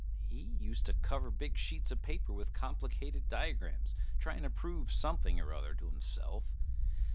He used to cover big sheets of paper with complicated diagrams trying to prove something or other to himself.